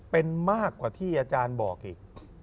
เป็นมากกว่าที่อาจารย์บอกอีก